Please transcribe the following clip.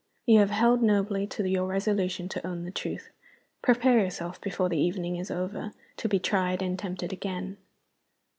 You have held nobly to your resolution to own the truth. Prepare yourself, before the evening is over, to be tried and tempted again."